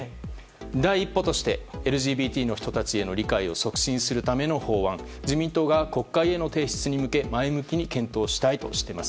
第一歩としてＬＧＢＴの人たちへの理解を促進するための法案自民党が国会への提出に向け前向きに検討したいとしています。